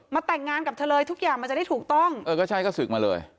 แต่งงานกับเธอเลยทุกอย่างมันจะได้ถูกต้องเออก็ใช่ก็ศึกมาเลย